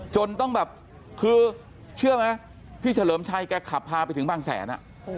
จนต้องแบบคือเชื่อไหมพี่เฉลิมชัยแกขับพาไปถึงบางแสน